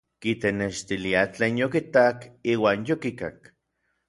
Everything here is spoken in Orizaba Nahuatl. Kitenextilia tlen yokitak iuan yokikak.